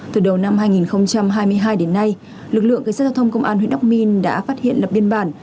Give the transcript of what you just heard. từ đầu năm hai nghìn hai mươi hai đến nay lực lượng cảnh sát giao thông công an huyện đắc minh đã phát hiện lập biên bản